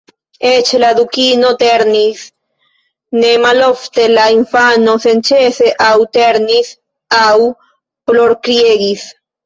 Eĉ la Dukino ternis ne malofte; la infano senĉese aŭ ternis aŭ plorkriegis.